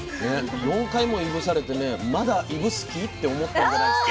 ４回もいぶされてねまだ「いぶす気？」って思ってるんじゃないですか？